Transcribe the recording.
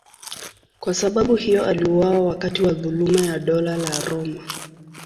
Kwa sababu hiyo aliuawa wakati wa dhuluma ya Dola la Roma.